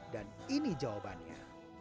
dan ini jawabannya